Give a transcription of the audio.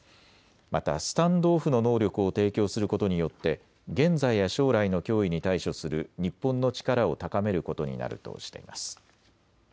またスタンド・オフの能力を提供することによって現在や将来の脅威に対処する日本の力を高めることになるとしています。